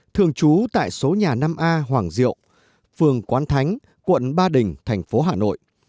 thường trú tại số nhà năm a hoàng diệu phường quán thánh quận ba đình thành phố hà nội